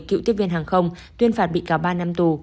cựu tiếp viên hàng không tuyên phạt bị cáo ba năm tù